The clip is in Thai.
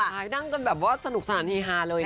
ถ่ายดั้งจนแบบว่าสนุกสนานฮีฮาเลยเนอะ